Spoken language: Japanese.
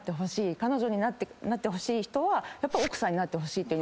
彼女になってほしい人は奥さんになってほしいっていう。